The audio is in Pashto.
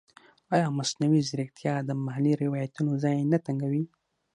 ایا مصنوعي ځیرکتیا د محلي روایتونو ځای نه تنګوي؟